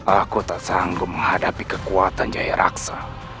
aku tak sanggup menghadapi kekuatan jaya raksa